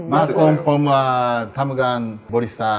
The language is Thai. มาร์คอมฟอร์มว่าทำการบริษัท